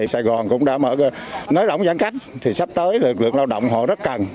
sài gòn cũng đã mở nới lỏng giãn cách thì sắp tới lực lượng lao động họ rất cần